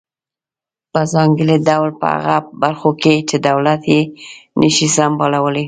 په ځانګړي ډول په هغه برخو کې چې دولت یې نشي سمبالولای.